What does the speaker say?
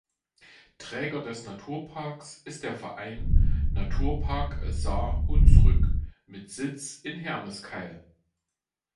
Träger des Naturparks ist der Verein „Naturpark Saar-Hunsrück“ mit Sitz in Hermeskeil.